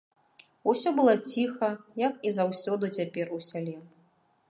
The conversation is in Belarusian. Усё было ціха, як і заўсёды цяпер у сяле.